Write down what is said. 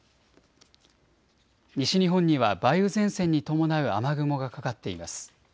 西日本には梅雨前線に伴う雨雲がかかっています。